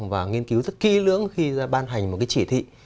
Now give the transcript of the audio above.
và nghiên cứu rất kỹ lưỡng khi ban hành một cái chỉ thị